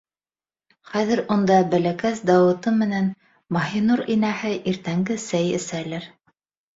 Хәҙер унда бәләкәс Дауыты менән Маһинур инәһе иртәнге сәй әсәлер...